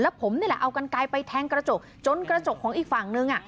ผมนี่แหละเอากันไกลไปแทงกระจกจนกระจกของอีกฝั่งนึง